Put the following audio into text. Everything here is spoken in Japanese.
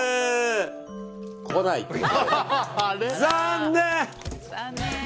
残念！